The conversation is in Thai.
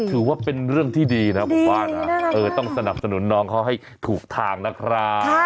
ถือว่าเป็นเรื่องที่ดีนะผมว่านะต้องสนับสนุนน้องเขาให้ถูกทางนะครับ